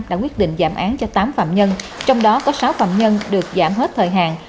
đã quyết định giảm án cho tám phạm nhân trong đó có sáu phạm nhân được giảm hết thời hạn